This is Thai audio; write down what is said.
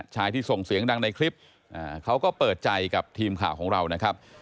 ที่ส่งเสียงดังในคลิปเขาก็เปิดใจกับทีมข่าวของเรานะครับ